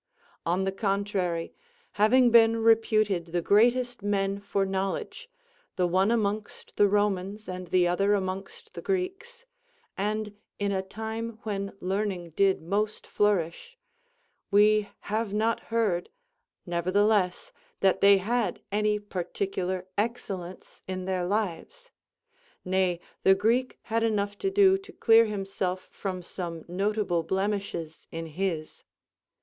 On the contrary, having been reputed the greatest men for knowledge, the one amongst the Romans and the other amongst the Greeks, and in a time when learning did most flourish, we have not heard, nevertheless, that they had any particular excellence in their lives; nay, the Greek had enough to do to clear himself from some notable blemishes in his.